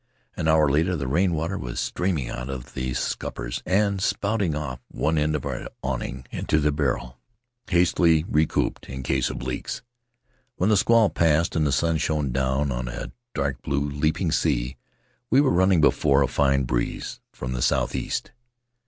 An hour later the rain water was streaming out of the scuppers and spouting off one end of our awning into the barrel, hastily recoopered in case of leaks. When the squall passed and the sun shone down on a dark Faery Lands of the South Seas blue leaping sea we were running before a fine breeze from the southeast.